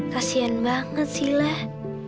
kasian banget silah